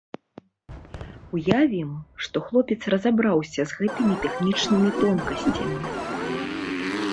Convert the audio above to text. Уявім, што хлопец разабраўся з гэтымі тэхнічнымі тонкасцямі.